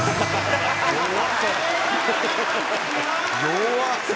弱っ！